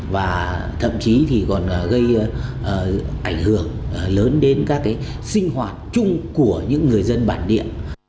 và thậm chí thì còn gây ảnh hưởng lớn đến các cái sinh hoạt chung của những người dân bản địa